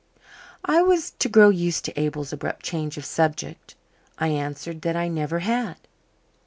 I was to grow used to Abel's abrupt change of subject. I answered that I never had.